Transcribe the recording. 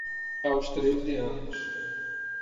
Aos treze anos